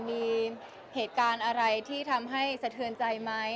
มีเหตุการณ์อะไรที่ทำให้สะเทือนใจไหม